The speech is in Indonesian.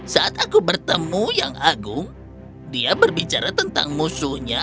saat aku bertemu yang agung dia berbicara tentang musuhnya